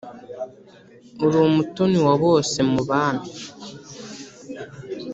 uri umutoni wa bose mu bami,